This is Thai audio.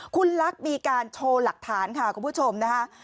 คุณลักษณ์มีการโชว์หลักฐานค่ะคุณผู้ชมนะคะ